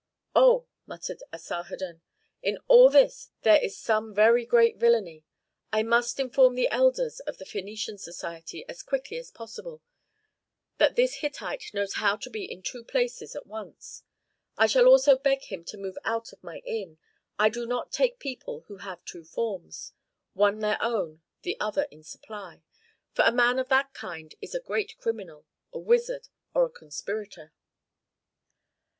"Oh," muttered Asarhadon, "in all this there is some very great villany. I must inform the elders of the Phœnician society, as quickly as possible, that this Hittite knows how to be in two places at once. I shall also beg him to move out of my inn. I do not take people who have two forms, one their own, the other in supply. For a man of that kind is a great criminal, a wizard, or a conspirator."